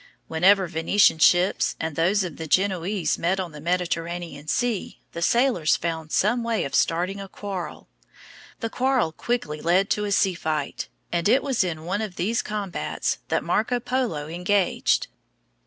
Whenever Venetian ships and those of the Genoese met on the Mediterranean Sea, the sailors found some way of starting a quarrel. The quarrel quickly led to a sea fight, and it was in one of these combats that Marco Polo engaged.